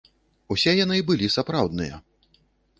Усе яны былі сапраўдныя.